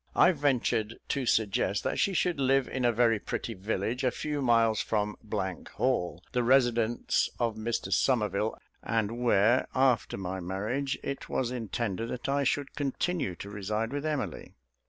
I ventured to suggest that she should live in a very pretty village a few miles from Hall, the residence of Mr Somerville, and where, after my marriage, it was intended that I should continue to reside with Emily.